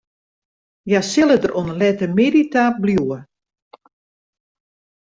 Hja sille der oan 'e lette middei ta bliuwe.